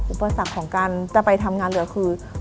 อุปสรรคของการจะไปทำงานเหลือคือ